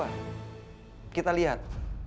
nah kita lihat